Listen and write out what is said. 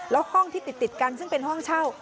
แล้วห้องที่ติดกันซึ่งเป็นห้องเช่า